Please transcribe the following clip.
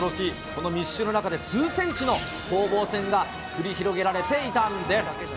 この密集の中で、数センチの攻防戦が繰り広げられていたんです。